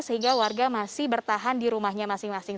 sehingga warga masih bertahan di rumahnya masing masing